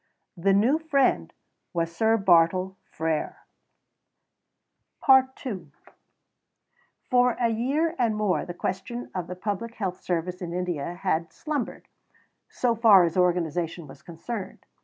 The new friend was Sir Bartle Frere. See below, p. 405. II For a year and more the question of the Public Health Service in India had slumbered, so far as organization was concerned.